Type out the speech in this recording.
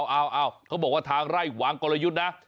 เอาเขาบอกว่าทางไร่วางกลยุทธ์นะ